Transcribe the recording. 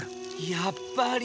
やっぱり。